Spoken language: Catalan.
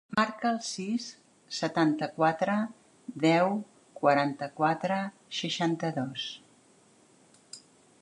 Marca el sis, setanta-quatre, deu, quaranta-quatre, seixanta-dos.